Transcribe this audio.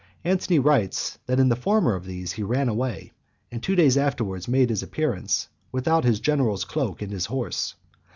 Antony writes, that in the former of these he ran away, and two days afterwards made his appearance (77) without his general's cloak and his horse.